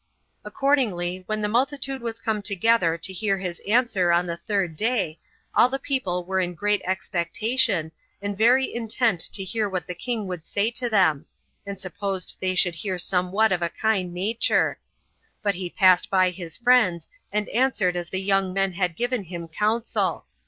Accordingly, when the multitude was come together to hear his answer on the third day, all the people were in great expectation, and very intent to hear what the king would say to them, and supposed they should hear somewhat of a kind nature; but he passed by his friends, and answered as the young men had given him counsel.